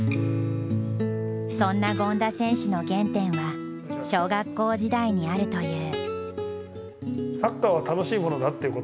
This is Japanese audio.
そんな権田選手の原点は小学校時代にあるという。